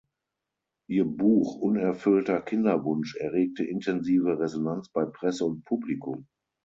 Ihr Buch "Unerfüllter Kinderwunsch" erregte intensive Resonanz bei Presse und Publikum.